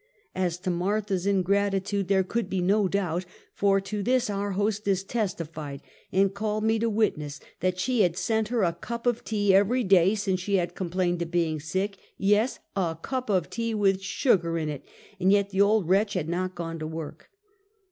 As to Martha's ingratitude, there could be no doubt ; for, to this, our hostess testified, and called me to wit ness, that she had sent her a cup of tea every day since she had complained of being sick; yes, "a cup of tea with sugar in it," and yet the old wretch had not gone to work.